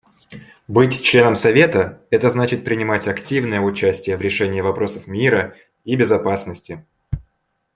Быть членом Совета — это значит принимать активное участие в решении вопросов мира и безопасности.